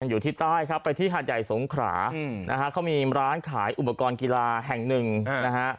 อยู่ที่ใต้ครับไปที่หาดใหญ่สงขรานะฮะเขามีร้านขายอุปกรณ์กีฬาแห่งหนึ่งนะฮะ